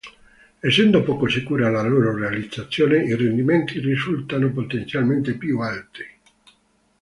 Essendo poco sicura la loro realizzazione, i rendimenti risultano potenzialmente più alti.